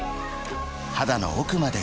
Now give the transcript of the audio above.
肌の奥まで潤う